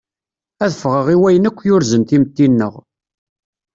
Ad ffɣeḍ i wayen akk yurzen timetti-nneɣ.